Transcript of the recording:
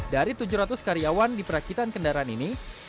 dari tujuh ratus karyawan di perakitan kendaraan ini